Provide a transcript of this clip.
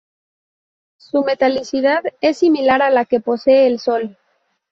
Su metalicidad es similar a la que posee el Sol.